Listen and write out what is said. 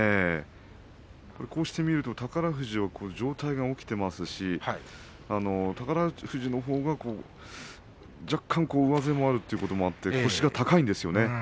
こうして見ると宝富士上体が起きていますし宝富士のほうが若干、上背もあるということもあって腰が高いんですね。